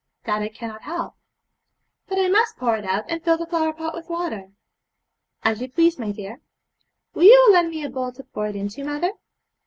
'That I cannot help.' 'But I must pour it out, and fill the flower pot with water.' 'As you please, my dear.' 'Will you lend me a bowl to pour it into, mother?'